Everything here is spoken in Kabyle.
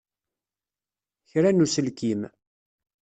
Kra n uselkim!